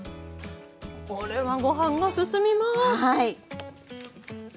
これはご飯がすすみます。